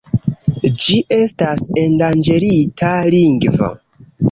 Ĝi estas endanĝerita lingvo.